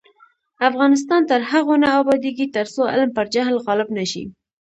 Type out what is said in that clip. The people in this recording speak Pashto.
افغانستان تر هغو نه ابادیږي، ترڅو علم پر جهل غالب نشي.